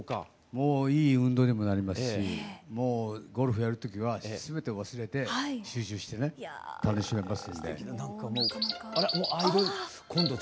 もういい運動にもなりますしもうゴルフやる時は全て忘れて集中してね楽しめますんで。